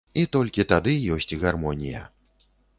І толькі тады ёсць гармонія!